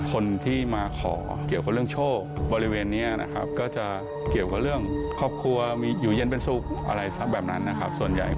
คนที่มาขอเกี่ยวกับเรื่องโชคบริเวณนี้นะครับก็จะเกี่ยวกับเรื่องครอบครัวมีอยู่เย็นเป็นสุขอะไรสักแบบนั้นนะครับส่วนใหญ่